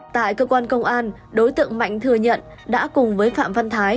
tại cơ quan công an đối tượng mạnh thừa nhận đã cùng với phạm văn thái